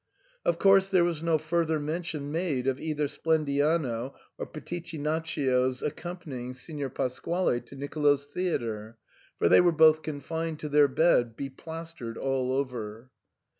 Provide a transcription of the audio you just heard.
Of course there was no further mention made of either Splendiano or Pitichinaccio's accompanying Signor Pasquale to Nicolo's theatre, for they were both confined to their bed beplastered all over.